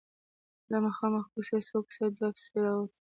له مخامخ کوڅې څو کوڅه ډب سپي راووتل.